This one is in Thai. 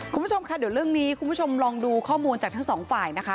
คุณผู้ชมค่ะเดี๋ยวเรื่องนี้คุณผู้ชมลองดูข้อมูลจากทั้งสองฝ่ายนะคะ